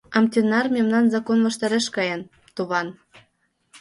— Амтенар мемнан закон ваштареш каен, туван.